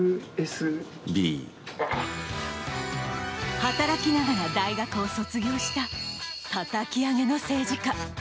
働きながら大学を卒業したたたき上げの政治家。